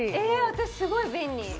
え私すごい便利。